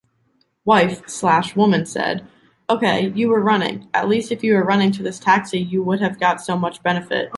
Wife/Woman said: Okay, you were running, at least if you were running to this taxi you would have got so much benefit.